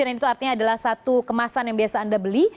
dan itu artinya adalah satu kemasan yang biasa anda beli